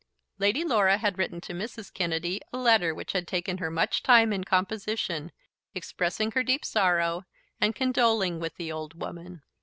Lady Laura had written to Mrs. Kennedy a letter which had taken her much time in composition, expressing her deep sorrow, and condoling with the old woman.